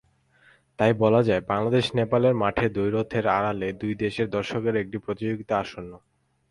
তাই বলা যায়, বাংলাদেশ-নেপাল মাঠের দ্বৈরথের আড়ালে দুই দেশের দর্শকদেরও একটি প্রতিযোগিতা আসন্ন।